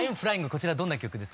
こちらどんな曲ですか？